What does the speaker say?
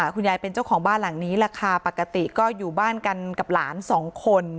คุณยายเป็นเจ้าของบ้านหลังนี้แหละค่ะปกติก็อยู่บ้านกันกับหลานสองคน